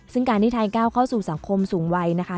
ซึ่งการที่ไทยก้าวเข้าสู่สังคมสูงวัยนะคะ